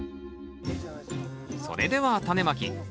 それではタネまき。